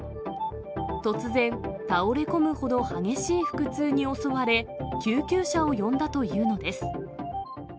突然、倒れ込むほど激しい腹痛に襲われ、救急車を呼んだというのです。